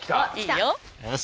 よし！